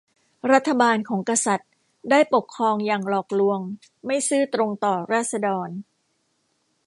รัฐบาลของกษัตริย์ได้ปกครองอย่างหลอกลวงไม่ซื่อตรงต่อราษฎร